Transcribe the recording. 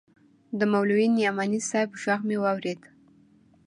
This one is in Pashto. د مولوي نعماني صاحب ږغ مې واورېد.